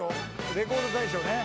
「レコード大賞ね」